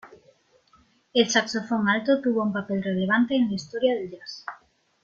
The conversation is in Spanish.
El saxofón alto tuvo un papel relevante en la historia del Jazz.